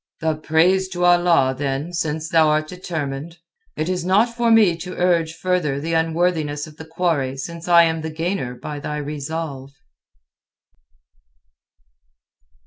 "The praise to Allah, then, since thou'rt determined. It is not for me to urge further the unworthiness of the quarry since I am the gainer by thy resolve."